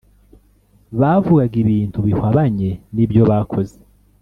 bavugaga ibintu bihwabanye nibyo bakoze